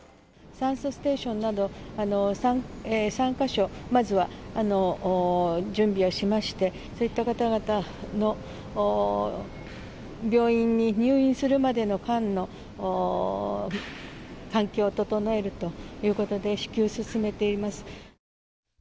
酸素ステーションなど、３か所、まずは、準備をしまして、そういった方々の、病院に入院するまでの間の環境を整えるということで、至急進めています。